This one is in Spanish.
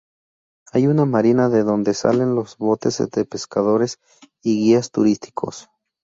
Hay una marina de donde salen los botes de pescadores y guías turísticos.